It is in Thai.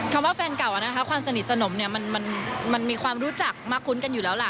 คำว่าแฟนเก่าความสนิทสนมมันมีความรู้จักมาคุ้นกันอยู่แล้วล่ะ